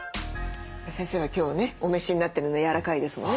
先生は今日ねお召しになってるの柔らかいですもんね。